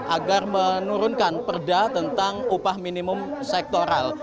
agar menurunkan perda tentang upah minimum sektoral